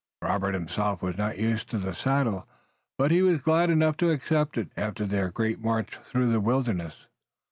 Robert himself was not used to the saddle, but he was glad enough to accept it, after their great march through the wilderness.